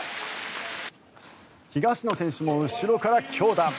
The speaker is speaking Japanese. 東野選手も後ろから強打。